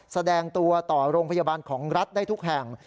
แสดงตัวต่อโรงพยาบาลของรัฐได้ทุกแห่ง